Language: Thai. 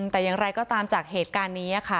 แต่อย่างไรก็ตามจากเหตุการณ์นี้ค่ะ